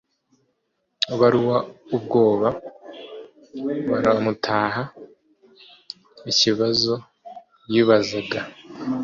baruwa ubwoba buramutaha, ikibazo yibazaga